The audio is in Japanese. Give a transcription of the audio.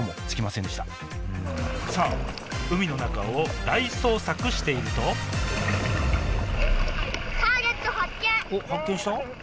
さあ海の中を大捜索しているとおっ発見した？